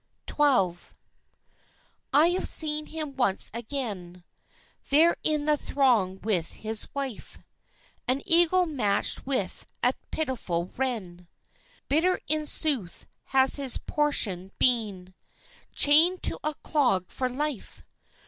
XII. I have seen him once again, There in the throng with his wife (An eagle matched with a pitiful wren!) Bitter in sooth has his portion been Chained to a clog for life!